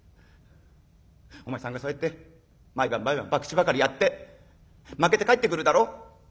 お前さんがそうやって毎晩毎晩博打ばかりやって負けて帰ってくるだろ？